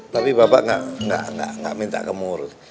tapi bapak gak minta kamu urut